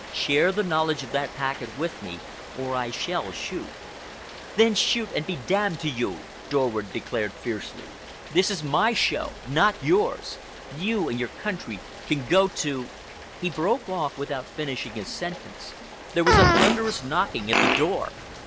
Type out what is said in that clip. Share the knowledge of that packet with me or I shall shoot." "Then shoot and be d—d to you!" Dorward declared fiercely. "This is my show, not yours. You and your country can go to—" He broke off without finishing his sentence. There was a thunderous knocking at the door.